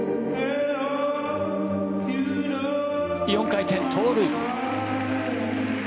４回転トウループ。